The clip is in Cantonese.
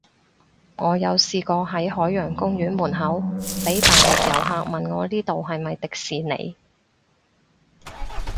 我有試過喺海洋公園門口，被大陸遊客問我呢度係咪迪士尼